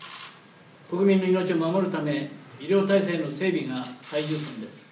国民の命を守るため医療体制の整備が最優先です。